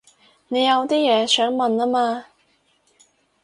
你有啲嘢想問吖嘛